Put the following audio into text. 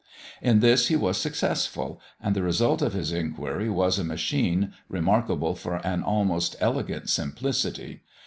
In this he was successful, and the result of his inquiry was, a machine, remarkable for an almost elegant simplicity.